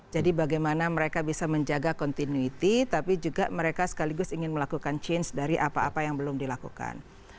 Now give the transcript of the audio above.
jadi bagaimana mereka bisa menjaga continuity tapi juga mereka sekaligus ingin melakukan change dari apa apa yang belum dilakukan